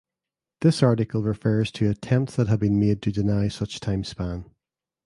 This article refers to attempts that have been made to deny such timespan.